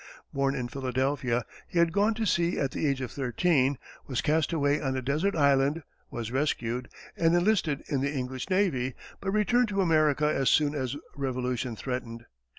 Born in Philadelphia, he had gone to sea at the age of thirteen, was cast away on a desert island, was rescued, and enlisted in the English navy, but returned to America as soon as revolution threatened.